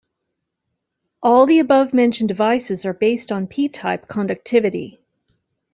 All the above-mentioned devices are based on p-type conductivity.